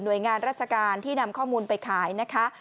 โดยงานราชการที่นำข้อมูลไปขายนะคะ